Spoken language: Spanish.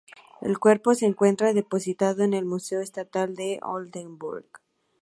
El cuerpo se encuentra depositado en el Museo Estatal de Oldenburg.